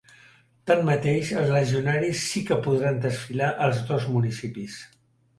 Tanmateix, els legionaris sí que podran desfilar als dos municipis.